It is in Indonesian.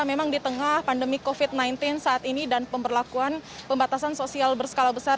memang di tengah pandemi covid sembilan belas saat ini dan pemberlakuan pembatasan sosial berskala besar